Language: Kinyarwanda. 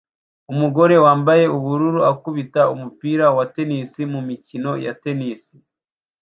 Umugore wambaye ubururu akubita umupira wa tennis mumikino ya tennis